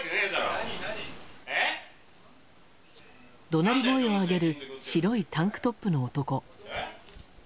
怒鳴り声をあげる白いタンクトップの男。